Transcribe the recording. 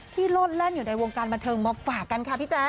โลดแล่นอยู่ในวงการบันเทิงมาฝากกันค่ะพี่แจ๊